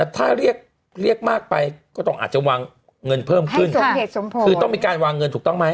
ถ้าเรียกมากไปก็ต้องอาจจะวางเงินเพิ่มขึ้นคือต้องมีการวางเงินถูกต้องไหม